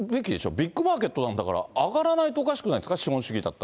ビッグマーケットなんだから、上がらないとおかしくないですか？